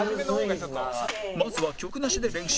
まずは曲なしで練習